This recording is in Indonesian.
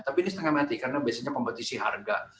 tapi ini setengah mati karena biasanya kompetisi harga